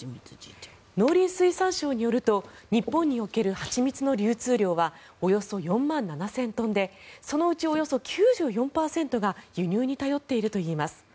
農林水産省によると日本における蜂蜜の流通量はおよそ４万７０００トンでそのうちおよそ９４％が輸入に頼っているといいます。